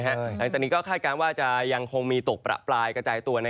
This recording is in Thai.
หลังจากนี้ก็คาดการณ์ว่าจะยังคงมีตกประปรายกระจายตัว